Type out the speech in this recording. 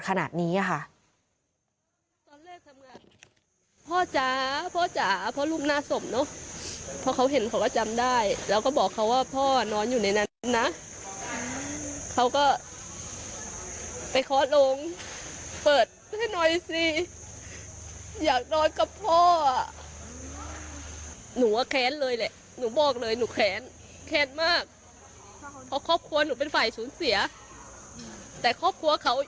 คงอย่าต้องเห็นลูกเจ็บปวดขนาดนี้ค่ะ